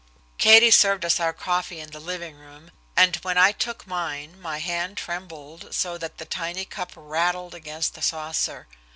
Katie served us our coffee in the living room, and when I took mine my hand trembled so that the tiny cup rattled against the saucer.